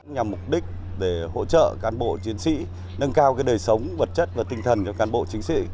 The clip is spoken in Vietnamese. nhằm mục đích để hỗ trợ cán bộ chiến sĩ nâng cao đời sống vật chất và tinh thần cho cán bộ chiến sĩ